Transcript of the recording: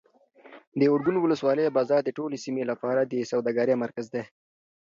د ارګون ولسوالۍ بازار د ټولې سیمې لپاره د سوداګرۍ مرکز دی.